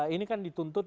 ini kan dituntut